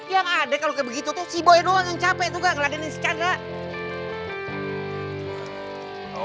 yang ada kalau kayak begitu tuh si boy doang yang capek juga ngeladenin si cahandre